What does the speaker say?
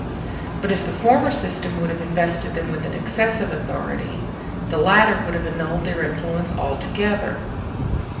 But if the former system would have invested them with an excessive authority, the latter would have annulled their influence altogether.